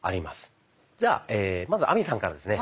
じゃあまず亜美さんからですね。